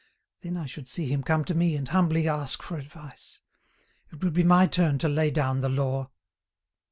Then I should see him come to me and humbly ask for advice; it would be my turn to lay down the law."